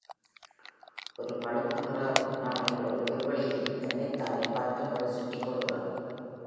ஒரு பழுப்பு நிறப் நாய் ஒரு புல்வெளியிலே தன்னைத் தானே பார்க்கும் படி சுற்றிக் கொள்கிறது.